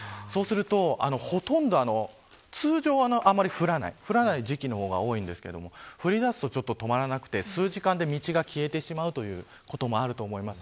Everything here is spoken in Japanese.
そうすると、ほとんど、通常あまり降らない時期の方が多いですが降りだすと止まらなくて数時間で道が消えてしまうということもあると思います。